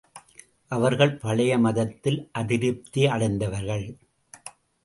அவர்கள் பழைய மதத்தில் அதிருப்தி அடைந்தவர்கள்.